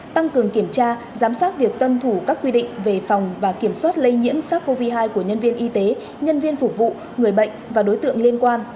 tăng cường kiểm tra giám sát việc tuân thủ các quy định về phòng và kiểm soát lây nhiễm sars cov hai của nhân viên y tế nhân viên phục vụ người bệnh và đối tượng liên quan